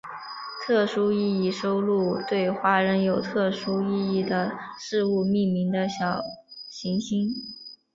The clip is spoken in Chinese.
特殊意义收录对华人有特殊意义的事物命名的小行星。